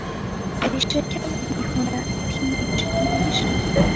ای شکم بیهنر پیچ پیچ...